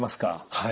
はい。